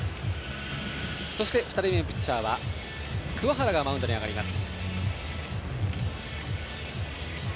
そして２人目のピッチャー鍬原がマウンドに上がります。